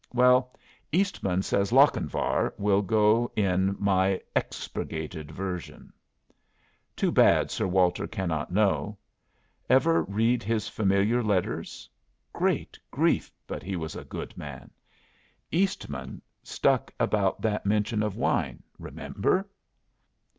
Well, Eastman says 'Lochinvar' will go in my expurgated version. Too bad Sir Walter cannot know. Ever read his Familiar Letters, Great grief! but he was a good man. Eastman stuck about that mention of wine. Remember?